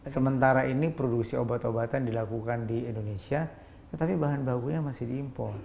sementara ini produksi obat obatan dilakukan di indonesia tapi bahan bakunya masih diimpor